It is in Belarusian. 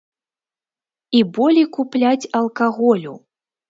І болей купляць алкаголю.